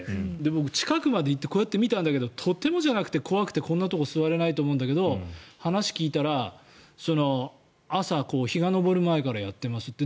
僕、近くまで行ってこうやって見たんだけどとてもじゃないけど怖くてこんなところに座れないと思うんだけど話を聞いたら朝、日が昇る前からやってますって。